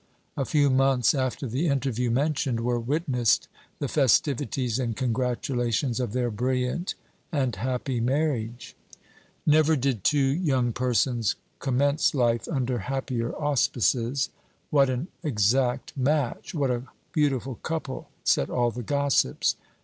A few months after the interview mentioned were witnessed the festivities and congratulations of their brilliant and happy marriage. Never did two young persons commence life under happier auspices. "What an exact match!" "What a beautiful couple!" said all the gossips.